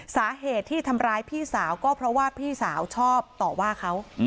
สาเหตุที่ทำร้ายพี่สาวก็เพราะว่าพี่สาวชอบต่อว่าเขา